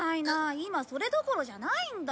今それどころじゃないんだ。